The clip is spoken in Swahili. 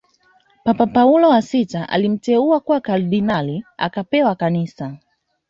Papa Paulo wa sita alimteua kuwa kardinali akapewa kanisa